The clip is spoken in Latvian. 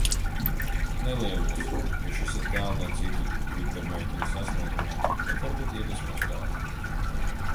Nelielos, jo šis ir tālu no citu tvitermeiteņu sasniegumiem, bet varbūt iedvesmos kādu.